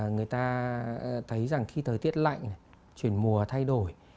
người ta thấy rằng khi thời tiết lạnh chuyển mùa thay đổi